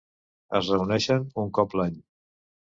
Es reuneixen un cop l'any.